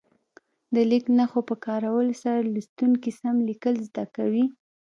د لیک نښو په کارولو سره لوستونکي سم لیکل زده کوي.